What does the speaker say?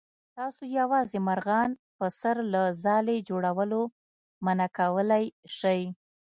تاسو یوازې مرغان په سر له ځالې جوړولو منع کولی شئ.